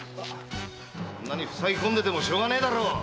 ふさぎ込んでてもしょうがねえだろう！